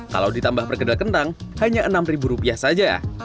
kalau ditambah pergedel kentang hanya enam rupiah saja